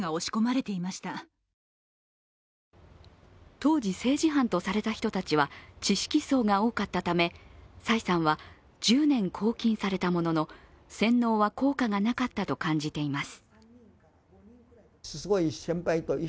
当時、政治犯とされた人たちは知識層が多かったため蔡さんは、１０年拘禁されたものの洗脳は効果がなかったとかんじています。